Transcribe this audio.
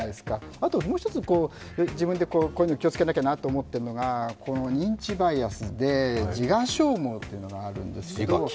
あともうひとつ、自分でこういうの気をつけなきゃなと思っているのはこの認知バイアスで、自我消耗というのがあるんです。